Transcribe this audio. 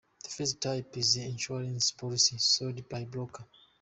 The first type is an insurance policy sold by a broker.